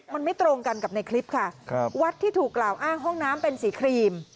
มันไม่ตรงกันกับในคลิปค่ะครับวัดที่ถูกกล่าวอ้างห้องน้ำเป็นสีครีม